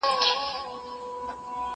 معنی کي د ستونزو لامل کيږي .